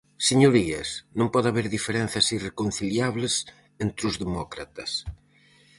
Señorías, non pode haber diferenzas irreconciliables entre os demócratas.